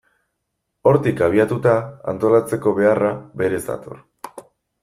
Hortik abiatuta, antolatzeko beharra berez dator.